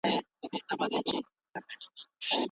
د احمد شاه ابدالي د پوځ قوماندانان څوک وو؟